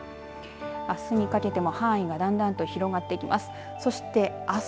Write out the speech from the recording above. あすにかけても範囲がだんだんと広がってきます。